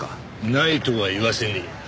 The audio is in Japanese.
ないとは言わせねえ。